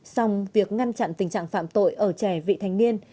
xong việc ngăn chặn tình trạng phạm tội ở trẻ vị thành niên